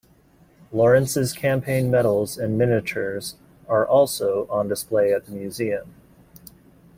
Lawrence's campaign medals and miniatures are also on display at the museum.